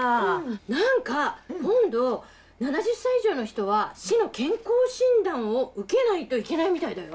何か今度７０歳以上の人は市の健康診断を受けないといけないみたいだよ。